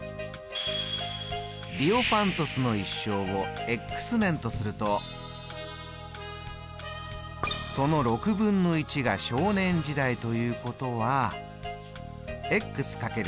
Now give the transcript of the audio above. ディオファントスの一生を年とするとそのが少年時代ということは×。